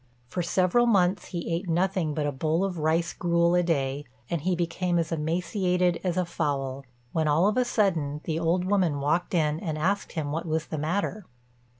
For several months he ate nothing but a bowl of rice gruel a day, and he became as emaciated as a fowl, when all of a sudden the old woman walked in and asked him what was the matter.